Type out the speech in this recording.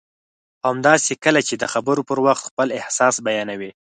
او همداسې کله چې د خبرو پر وخت خپل احساس بیانوي